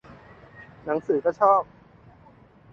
หนังสือก็ชอบ